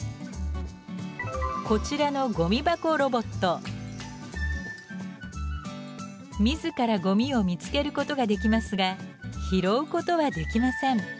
こちらのみずからゴミを見つけることができますが拾うことはできません。